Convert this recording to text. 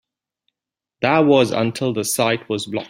That was until the site was blocked.